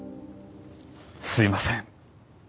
すいません。